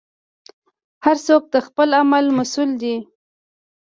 هر څوک د خپل عمل مسوول دی.